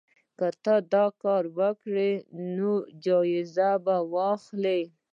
که ته دا کار وکړې نو جایزه به واخلې.